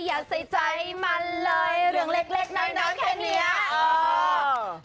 อย่าใส่ใจมันเลยเรื่องเล็กเล็กน้อยนะแค่เนี้ยเออ